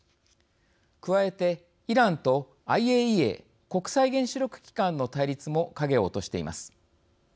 加えて、イランとＩＡＥＡ＝国際原子力機関の対立も影を落としています。